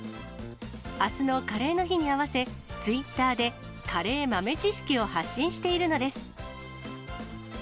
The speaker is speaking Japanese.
あすのカレーの日に合わせ、ツイッターでカレー豆知識を発信しているのです。